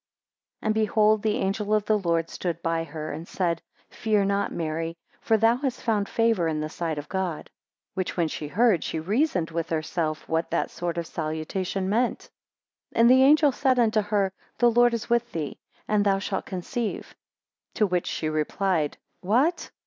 9 And behold the angel of the Lord stood by her, and said, Fear not, Mary, for thou hast found favour in the sight of God. 10 Which when she heard, she reasoned with herself what that sort of salutation meant. 11 And the angel said unto her, The Lord is with thee, and thou shalt conceive: 12 To which she replied, What!